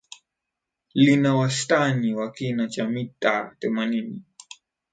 Lina wastani wa kina cha mita themanini